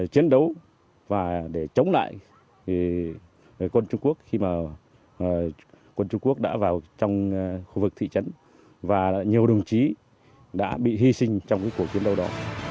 chiến đấu và để chống lại quân trung quốc khi mà quân trung quốc đã vào trong khu vực thị trấn và nhiều đồng chí đã bị hy sinh trong cuộc chiến đấu đó